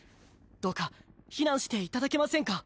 どうか避難していただけませんか？